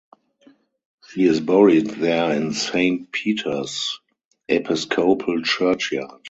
She is buried there in Saint Peter's Episcopal Church yard.